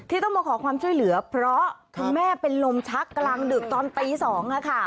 ต้องมาขอความช่วยเหลือเพราะคุณแม่เป็นลมชักกลางดึกตอนตี๒